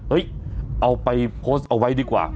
เอาไปโพสต์เอาไว้ดีกว่า